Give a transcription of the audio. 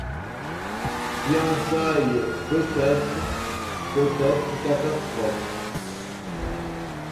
Fiançailles peut-être ; peut-être catastrophe.